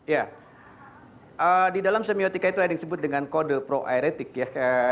ya di dalam semiotika itu ada yang disebut dengan kode pro aeretik ya